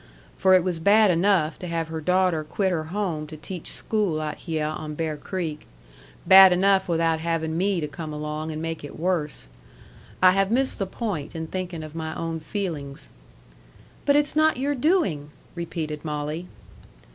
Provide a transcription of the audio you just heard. For it was bad enough to have her daughter quit her home to teach school out hyeh on Bear Creek. Bad enough without havin' me to come along and make it worse. I have missed the point in thinking of my own feelings." "But it's not your doing!" repeated Molly.